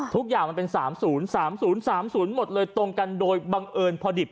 ทุกอย่างมันเป็น๓๐๓๐๓๐หมดเลยตรงกันโดยบังเอิญพอดิบ